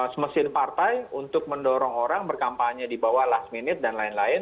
semesin partai untuk mendorong orang berkampanye di bawah last minute dan lain lain